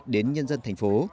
đến nhân dân thành phố